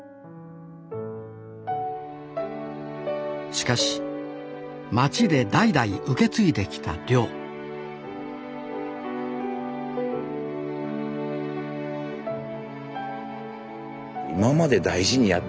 しかし町で代々受け継いできた漁今まで大事にやってきたものなんやけん